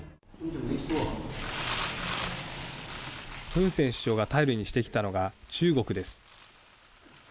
フン・セン首相が頼りにしてきたのが中国です。